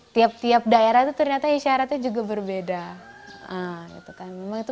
tiap tiap daerah itu ternyata isyaratnya juga berbeda